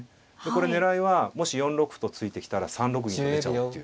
これ狙いはもし４六歩と突いてきたら３六銀と出ちゃうっていう。